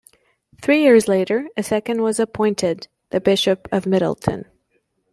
Three years later a second was appointed, the Bishop of Middleton.